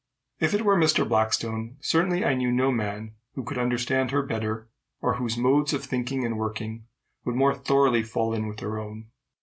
If it were Mr. Blackstone, certainly I knew no man who could understand her better, or whose modes of thinking and working would more thoroughly fall in with her own.